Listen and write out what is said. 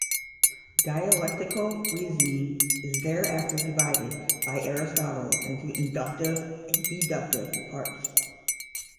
Dialectical reasoning is thereafter divided by Aristotle into inductive and deductive parts.